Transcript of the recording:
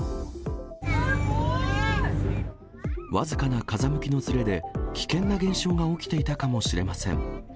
僅かな風向きのずれで、危険な現象が起きていたかもしれません。